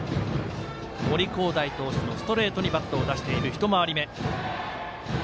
森煌誠投手のストレートに手を出している１回り目。